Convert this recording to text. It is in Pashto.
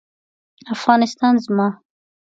افغانستان زما